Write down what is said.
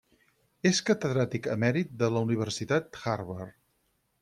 És catedràtic emèrit de la Universitat Harvard.